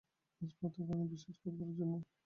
আজ ভাবতেও পারে না– বিশ্বাস করবারও জোর নেই।